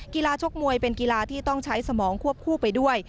ชกมวยเป็นกีฬาที่ต้องใช้สมองควบคู่ไปด้วย